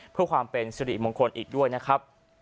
เพื่อความเป็นสิริมงคลอีกด้วยนะครับ